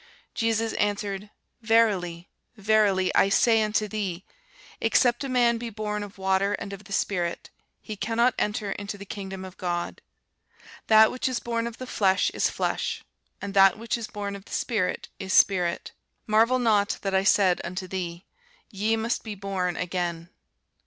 Jesus answered, Verily, verily, I say unto thee, Except a man be born of water and of the Spirit, he cannot enter into the kingdom of God. That which is born of the flesh is flesh; and that which is born of the Spirit is spirit. Marvel not that I said unto thee, Ye must be born again.